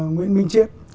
nguyễn minh chiếp